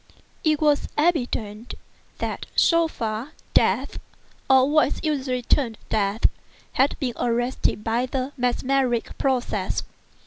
It was evident that, so far, death (or what is usually termed death) had been arrested by the mesmeric process.